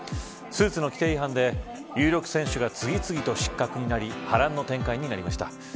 スーツ規定違反で、有力選手が次々と失格となり波乱の展開となりました。